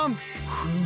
フム。